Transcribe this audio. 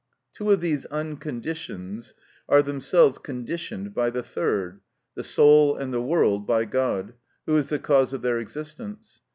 Two of these unconditioneds are themselves conditioned by the third, the soul and the world by God, who is the cause of their existence.